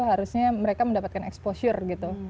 harusnya mereka mendapatkan exposure gitu